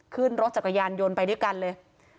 ขึ้นรถจักรยานยนต์ไปด้วยกันเลย